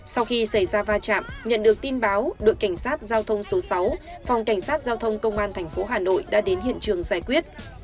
sau khi xảy ra va chạm nhận được tin báo đội cảnh sát giao thông số sáu phòng cảnh sát giao thông công an thành phố hà nội đã đến hiện trường giải quyết